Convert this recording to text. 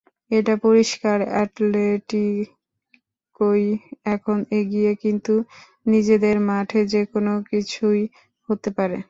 এটা পরিষ্কার, অ্যাটলেটিকোই এখন এগিয়ে, কিন্তু নিজেদের মাঠে যেকোনো কিছুই হতে পারে।